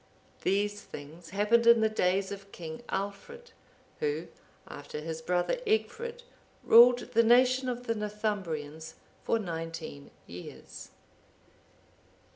(769) These things happened in the days of King Aldfrid,(770) who, after his brother Egfrid, ruled the nation of the Northumbrians for nineteen years.